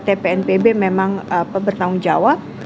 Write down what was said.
tpnpb memang bertanggung jawab